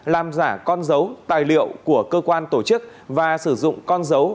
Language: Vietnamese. làm giả con dấu tài liệu của cơ quan tổ chức và sử dụng con dấu